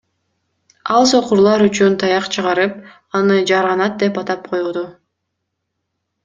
Ал сокурлар үчүн таяк чыгарып, аны Жарганат деп атап койду.